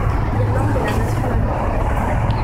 L'Irlande est la nation invitée.